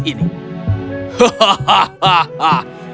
aku ingin menikahi salah satu dari gadis gadis ini